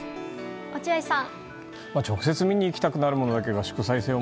落合さん。